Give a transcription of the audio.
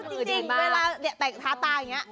เอ้าจริงเวลาเเหละแปะชาตราก็งี้ฮ่า